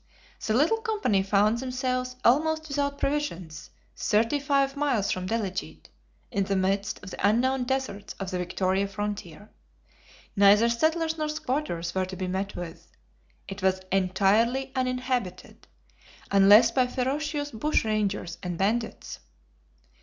The little company found themselves almost without provisions, thirty five miles from Delegete, in the midst of the unknown deserts of the Victoria frontier. Neither settlers nor squatters were to be met with; it was entirely uninhabited, unless by ferocious bushrangers and bandits.